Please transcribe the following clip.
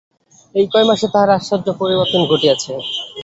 এই কয় মাসে তাহার আশ্চর্য পরিবর্তন ঘটিয়াছে।